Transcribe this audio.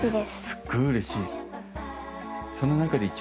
すっごい嬉しい。